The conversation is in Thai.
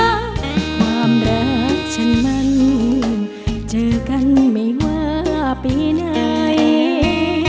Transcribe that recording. แต่ความรักฉันมันเจอกันไม่ว่าปีไหน